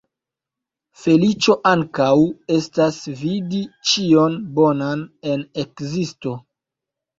Feliĉo ankaŭ estas vidi ĉion bonan en ekzisto.